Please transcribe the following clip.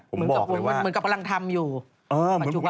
เหมือนกับกำลังทำอยู่